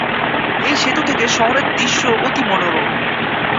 এই সেতু থেকে শহরের দৃশ্য অতি মনোরম।